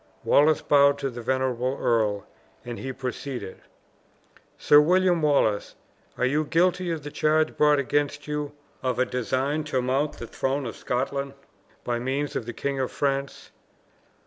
Wallace bowed to the venerable earl, and he proceeded: "Sir William Wallace, are you guilty of the charge brought against you, of a design to mount the throne of Scotland by means of the King of France?"